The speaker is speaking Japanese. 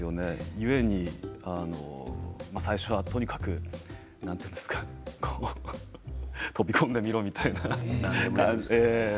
故に、最初はとにかくこう飛び込んでみろみたいな感じで。